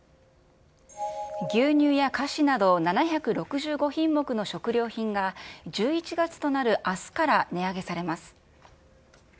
牛乳や菓子など７６５品目の食料品が、１１月となるあすから値上げされます。